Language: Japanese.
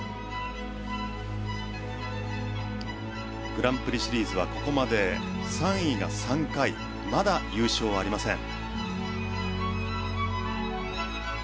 グランプリシリーズはここまで３位が３回まだ優勝はありません。